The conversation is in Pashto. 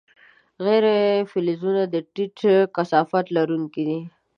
غیر فلزونه د ټیټ کثافت لرونکي دي.